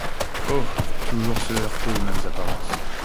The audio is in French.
Oh ! toujours se heurter aux mêmes apparences !